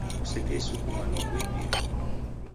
Kusekeisukuma noko imbiri.